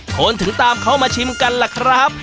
คนถึงตามเขามาชิมกันล่ะครับ